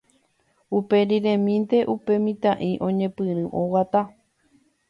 Uperiremínte upe mitã'i oñepyrũ oguata.